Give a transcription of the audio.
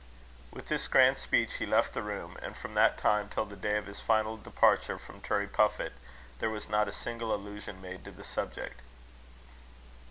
With this grand speech he left the room, and from that time till the day of his final departure from Turriepuffit, there was not a single allusion made to the subject.